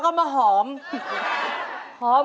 สวัสดีครับ